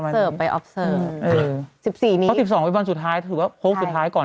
๑๔นี้เค้า๑๒วันสุดท้ายถือว่าโฟล์สุดท้ายก่อน